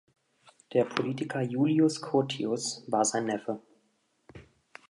Der Politiker Julius Curtius war sein Neffe.